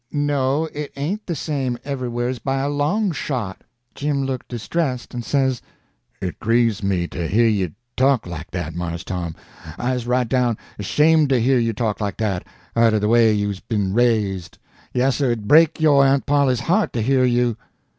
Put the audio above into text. "No, it ain't the same everywheres, by a long shot." Jim looked distressed, and says: "It grieves me to hear you talk like dat, Mars Tom; I's right down ashamed to hear you talk like dat, arter de way you's been raised. Yassir, it'd break yo' Aunt Polly's heart to hear you."